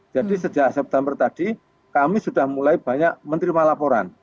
jadi sejak september tadi kami sudah mulai banyak menerima laporan